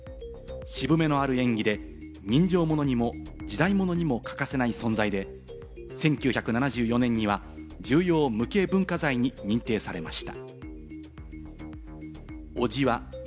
渋めのある演技で人情物にも時代物にも欠かせない存在で、１９７４年には重要無形文化財に認定されました。